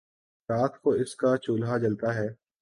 رات کو اس کا چولہا جلتا ہے